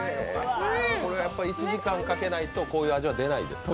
これ、やっぱり１時間かけないとこういう味は出ないんですか。